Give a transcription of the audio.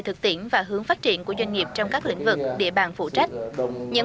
thực tiễn và hướng phát triển của doanh nghiệp trong các lĩnh vực địa bàn phụ trách những